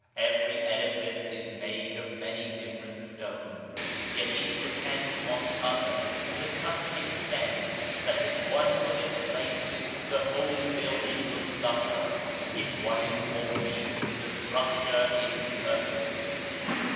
Every edifice is made of many different stones, yet each depends on the other to such an extent that if one were displaced the whole building would suffer ; if one is faulty the structure is imperfect.